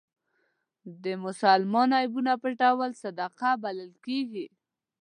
د مسلمان عیبونه پټول صدقه بلل کېږي.